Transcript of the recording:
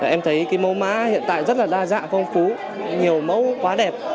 em thấy cái mẫu má hiện tại rất là đa dạng phong phú nhiều mẫu quá đẹp